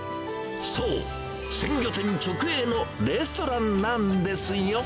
そう、鮮魚店直営のレストランなんですよ。